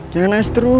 jangan naik terus